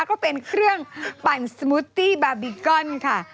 ก็เป็นเครื่องปั่นสมูตตี้บาบิกอนค่ะ